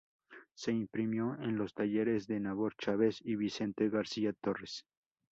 Se imprimió en los talleres de Nabor Chávez y Vicente García Torres.